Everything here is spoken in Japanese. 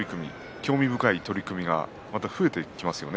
興味深い取組が増えてきますよね。